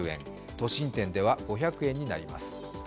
都心店では５００円になります。